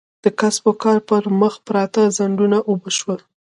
د کسب و کار پر مخ پراته خنډونه اوبه شول.